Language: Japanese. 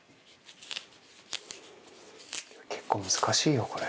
結構難しいよこれ。